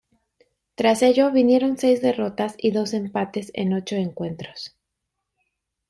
Tras ello vinieron seis derrotas y dos empates en ocho encuentros.